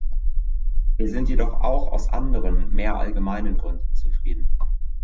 Wir sind jedoch auch aus anderen, mehr allgemeinen Gründen zufrieden.